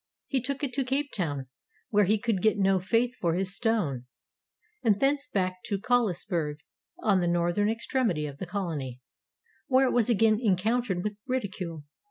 He took it to Capetown, where he could get no faith for his stone, and thence back to Coles berg on the northern extremity of the Colony, where it was again encountered with ridicule.